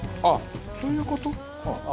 あっそういう事？